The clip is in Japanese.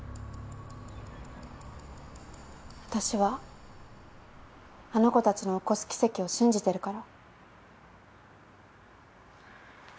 私はあの子たちの起こす奇跡を信じてるから。